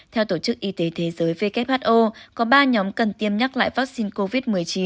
theo tổ chức y tế thế giới who có ba nhóm cần tiêm nhắc lại vaccine covid một mươi chín